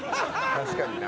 確かにな。